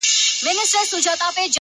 نن بيا يوې پيغلي په ټپه كـي راتـه وژړل;